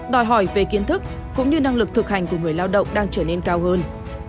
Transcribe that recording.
đòi hỏi về kiến thức cũng như năng lực thực hành của người lao động đang trở nên cao hơn